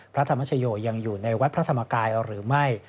พระธรรมชโยยังอยู่ในวัดพระธรรมกายหรือไม่